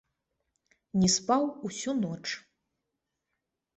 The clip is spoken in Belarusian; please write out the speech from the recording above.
Не спаў усю ноч.